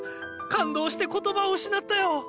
感動して言葉を失ったよ！